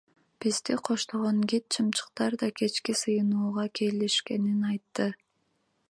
Бизди коштогон гид чымчыктар да кечки сыйынууга келишкенин айтты.